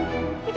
aku mau jalan